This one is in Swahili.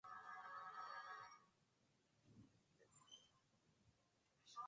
themanini na saba baada ya kristo hadi sabini baada ya kristo kama kipindi kipya